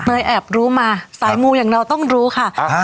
เมย์แอบรู้มาสายมูมอย่างเราต้องรู้ค่ะอ่า